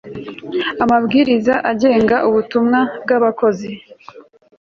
amabwiriza agenga ubutumwa bw abakozi